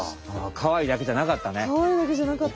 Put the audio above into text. かわいいだけじゃなかった。